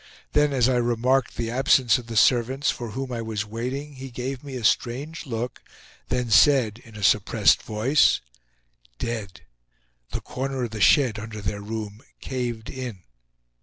Then, as I remarked the absence of the servants, for whom I was waiting, he gave me a strange look, then said, in a suppressed voice: "Dead! The corner of the shed under their room caved in."